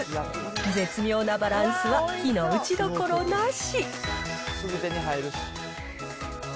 絶妙なバランスは、非の打ちどころなし。